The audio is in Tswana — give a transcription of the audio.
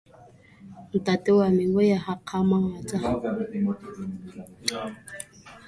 Ntate wa me o a gakgamatsa.